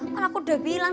kamu udah bilang